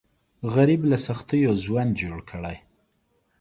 غریب له سختیو ژوند جوړ کړی